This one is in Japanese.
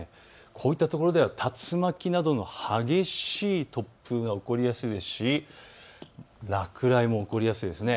こういった所では竜巻などの激しい突風が起こりやすいですし落雷も起こりやすいです。